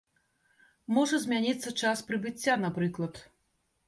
Можа змяніцца час прыбыцця, напрыклад.